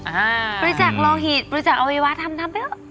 อ่าบริจาคโรหิตบริจาคอวิวาธรรมทำเนอะอ่า